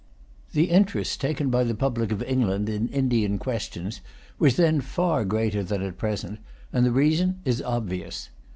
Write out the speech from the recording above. The interest taken by the public of England in Indian questions was then far greater than at present, and the reason is obvious.